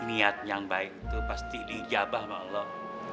niat yang baik itu pasti dijabah sama allah